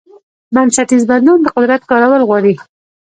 بنسټیز بدلون د قدرت کارول غواړي.